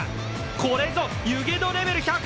これぞ、湯気度レベル１００。